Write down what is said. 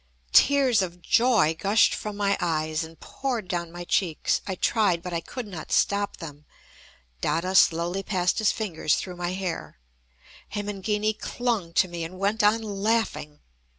Tears of joy gushed from my eyes, and poured down my cheeks. I tried, but I could not stop them. Dada slowly passed his fingers through my hair. Hemangini clung to me, and went on laughing.